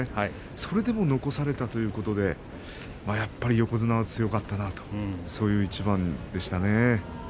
それでも残されたということでやっぱり横綱は強かったなとそういう一番でしたね。